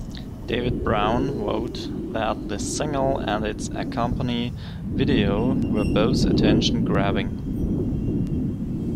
David Browne wrote that this single and its accompany video were both "attention-grabbing".